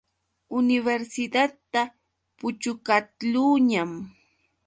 Universidadta puchukaqluuñam.